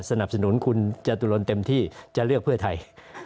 สนับสนุนคุณจตุรนเต็มที่จะเลือกเพื่อไทย